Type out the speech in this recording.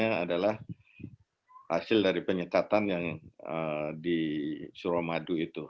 yang adalah hasil dari penyekatan yang di suramadu itu